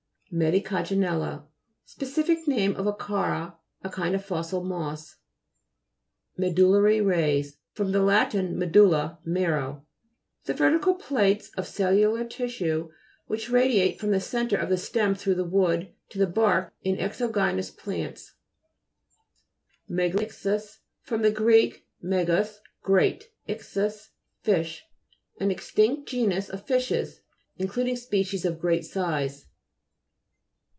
MEDICAGJ/XELA Specific name of a chara, a kind of fossil moss. MEDU'LLARY HATS fr. lat. medulla, marrow. The vertical plates of cel lular tissue which radiate from the centre of the stem through the wood to the bark in exogynous plants. MEGALI'CHTH YS fr. gr. megas, great, ichthus, fish. An extinct genus of fishes, including species of great size.